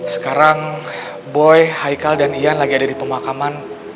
sekarang boy haikal dan ian lagi ada di pemakaman